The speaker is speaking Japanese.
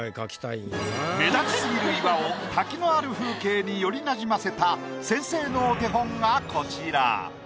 目立ち過ぎる岩を滝のある風景によりなじませた先生のお手本がこちら。